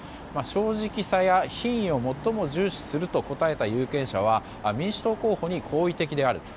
正直さや品位を最も重視すると答えた有権者は民主党候補に好意的である。